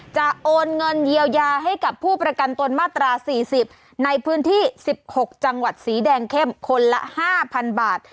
โอนเงินเยียวยาให้กับผู้ประกันตนมาตรา๔๐ในพื้นที่๑๖จังหวัดสีแดงเข้มคนละ๕๐๐๐บาท